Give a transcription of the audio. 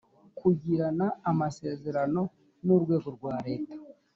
kugirana amasezerano n urwego rwa leta